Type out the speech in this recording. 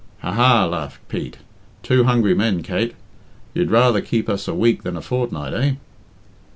"Ha! ha!" laughed Pete. "Two hungry men, Kate! You'd rather keep us a week than a fortnight, eh?"